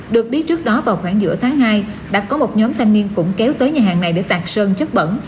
được biết trước đó vào khoảng giữa tháng hai đã có một nhóm thanh niên cũng kéo tới nhà hàng này để tạc sơn chất bẩn